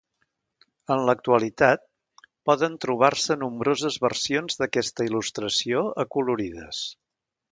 En l'actualitat, poden trobar-se nombroses versions d'aquesta il·lustració acolorides.